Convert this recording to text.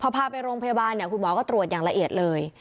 พอพาไปโรงพยาบาลคุณหมอก็ตรวจอย่างละเอียดเลย